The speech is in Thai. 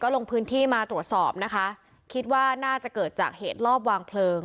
ลงพื้นที่มาตรวจสอบนะคะคิดว่าน่าจะเกิดจากเหตุรอบวางเพลิง